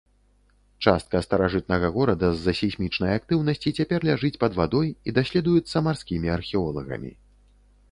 Частка старажытнага горада з-за сейсмічнай актыўнасці цяпер ляжыць пад вадой і даследуецца марскімі археолагамі.